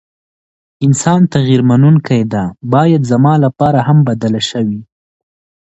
انسان تغير منونکي ده ، بايد زما لپاره هم بدله شوې ،